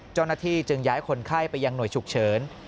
เจ้าหน้าที่จึงย้ายคนไข้ไปยังหน่วยฉุกเฉิน